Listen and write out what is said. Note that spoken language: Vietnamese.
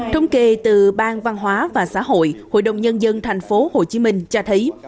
thông kê từ ban văn hóa và xã hội hội đồng nhân dân thành phố hồ chí minh cho thấy